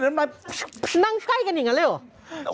นั่งไกล์กันอย่างนั้นแล้วหรอ